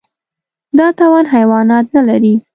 دا توان حیوانات نهلري.